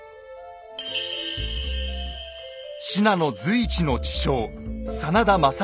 信濃随一の知将・真田昌幸。